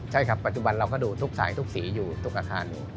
ใช่ครับปัจจุบันเราก็ดูทุกสายทุกสีอยู่ทุกอาคารอยู่